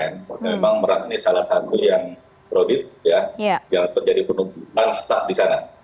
karena memang merak ini salah satu yang terobit yang terjadi penumpang staf di sana